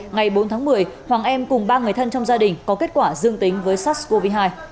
ngày bốn tháng một mươi hoàng em cùng ba người thân trong gia đình có kết quả dương tính với sars cov hai